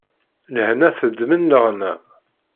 Lehna teḍmen leɣna.